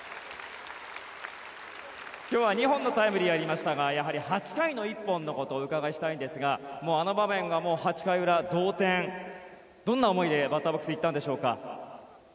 今日は２本のタイムリーがありましたがやはり８回の１本のことをお伺いしたいんですがあの場面が８回裏、同点どんな思いでバッターボックスに行ったんでしょうか。